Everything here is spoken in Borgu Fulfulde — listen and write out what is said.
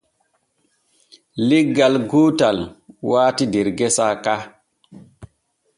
Leggal gootal waati der gesa ka.